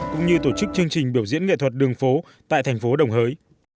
cũng như tổ chức chương trình biểu diễn nghệ thuật đường phố tại thành phố đồng hới